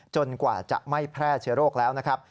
กว่าจะไม่แพร่เชื้อโรคแล้วนะครับ